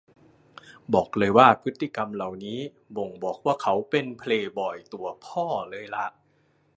บอกเลยว่าพฤติกรรมเหล่านี้บ่งบอกว่าเขาเป็นเพลย์บอยตัวพ่อเลยล่ะ